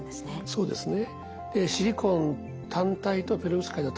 そうですね。